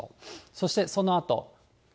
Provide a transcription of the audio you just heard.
そしてそのあと。